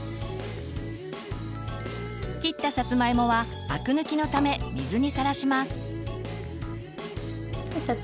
切ったさつまいもはあく抜きのため水にさらします。